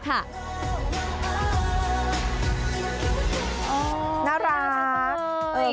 น่ารัก